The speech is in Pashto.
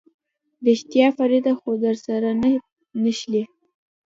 رښتيا فريده خو درسره نه نښلي.